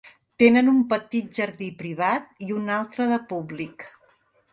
Tenen un petit jardí privat i un altre de públic.